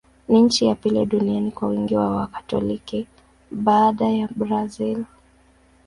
Ni nchi ya pili duniani kwa wingi wa Wakatoliki, baada ya Brazil.